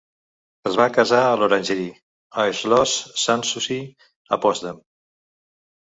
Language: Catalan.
Es va casar a l'Orangerie, a Schloss Sanssouci, a Potsdam.